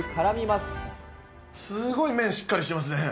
すごい麺しっかりしてますね。